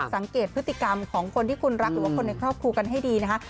สังเกตพฤติกรรมของคนที่คุณรักหรือว่าคนในครอบครัวกันให้ดีนะคะ